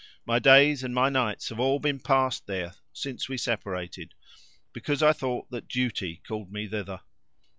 My days and nights have all been passed there since we separated, because I thought that duty called me thither.